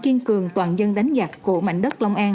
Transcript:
kiên cường toàn dân đánh giặc của mảnh đất long an